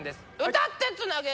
歌ってつなげ！